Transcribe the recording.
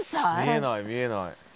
見えない見えない。